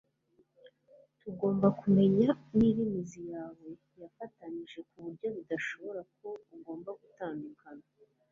Ugomba kumenya niba imizi yawe yarafatanije ku buryo bidashoboka ko ugomba gutandukana. ”